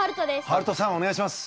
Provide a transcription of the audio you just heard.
はるとさんお願いします。